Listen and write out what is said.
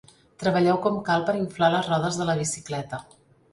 Treballeu com cal per inflar les rodes de la bicicleta.